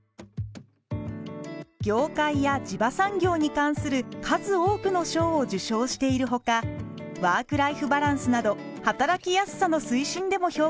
業界や地場産業に関する数多くの賞を受賞しているほかワークライフバランスなど働きやすさの推進でも評価されており